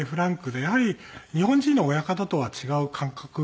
やはり日本人の親方とは違う感覚ですね。